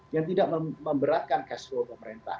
yang tidak memberatkan cash flow pemerintah